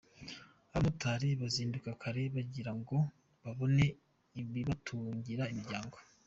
Abamotari muzinduka kare kugira ngo mubone ibibatungira imiryango.